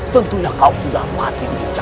tentunya kau sudah mati di puncak raksasa